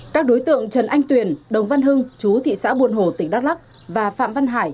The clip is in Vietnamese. các đối tượng trần anh tuyển đồng văn hưng chú thị xã buồn hồ tỉnh đắk lắk và phạm văn hải